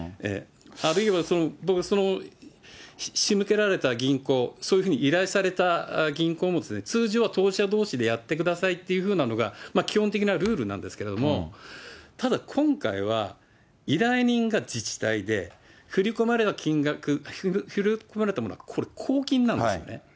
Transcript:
あるいは、仕向けられた銀行、そういうふうに依頼された銀行も、通常は当事者どうしでやってくださいっていうふうなのが、基本的なルールなんですけれども、ただ今回は、依頼人が自治体で、振り込まれたものがこれ、公金なんですよね。